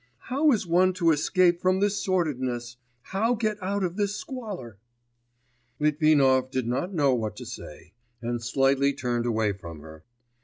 How is one to escape from this sordidness! How get out of this squalor!' Litvinov did not know what to say, and slightly turned away from her.